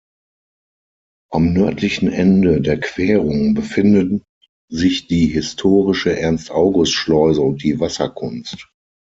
Am nördlichen Ende der Querung befinden sich die historische Ernst-August-Schleuse und die Wasserkunst.